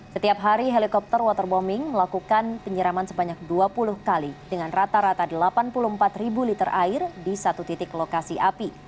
setiap hari helikopter waterbombing melakukan penyiraman sebanyak dua puluh kali dengan rata rata delapan puluh empat liter air di satu titik lokasi api